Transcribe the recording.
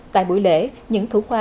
tại buổi lễ những thủ khoa